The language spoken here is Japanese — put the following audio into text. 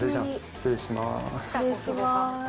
失礼します。